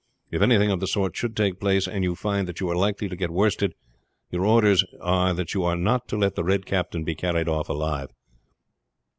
If anything of the sort should take place, and you find that you are likely to get worsted, your orders are that you are not to let the Red Captain be carried off alive.